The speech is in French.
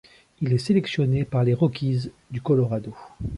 Il est sélectionné par les Rockies du Colorado.